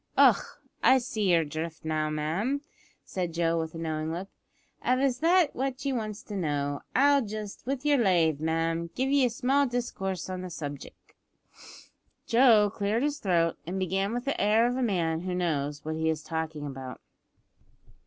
"Och! I see yer drift now, ma'am," said Joe, with a knowing look. "Av it's that what ye wants to know, I'll just, with your lave, ma'am, give ye a small discourse on the subjic'." Joe cleared his throat, and began with the air of a man who knows what he is talking about.